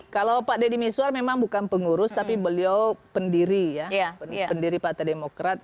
kalau pak deddy miswar memang bukan pengurus tapi beliau pendiri ya pendiri partai demokrat